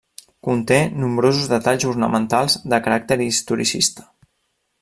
Conté nombrosos detalls ornamentals de caràcter historicista.